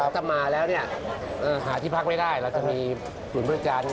ถ้ามาแล้วหาที่พักไม่ได้เราจะมีศูนย์บริการ